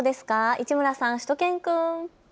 市村さん、しゅと犬くん。